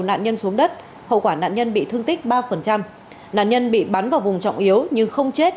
nạn nhân xuống đất hậu quả nạn nhân bị thương tích ba nạn nhân bị bắn vào vùng trọng yếu nhưng không chết